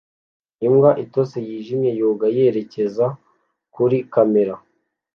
Imbwa itose yijimye yoga yerekeza kuri kamera